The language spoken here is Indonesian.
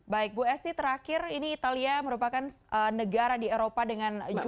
baik bu esti terakhir ini italia merupakan negara di eropa dengan jumlah